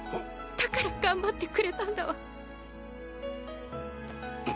だから頑張ってくれたんだわ。